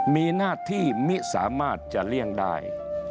มีหน้าที่มิสามารถจะเลี่ยงได้